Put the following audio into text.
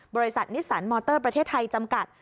บริษัทนิสันมอเตอร์ประเทศไทยจำกัด